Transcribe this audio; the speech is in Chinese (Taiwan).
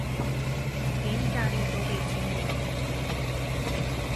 連義大利都被激怒